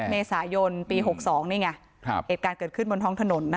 เมษายนปี๖๒นี่ไงเหตุการณ์เกิดขึ้นบนท้องถนน